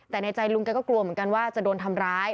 แต่ในใจลุงแกก็กลัวเหมือนกันว่าจะโดนทำร้าย